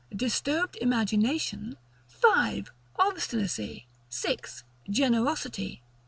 Disturbed Imagination. 5, Obstinacy. 6. Generosity.